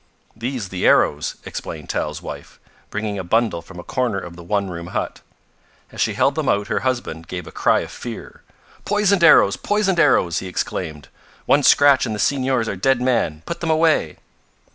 "These the arrows," explained Tal's wife, bringing a bundle from a corner of the one room hut. As she held them out her husband gave a cry of fear. "Poisoned arrows! Poisoned arrows!" he exclaimed. "One scratch and the senors are dead men. Put them away!"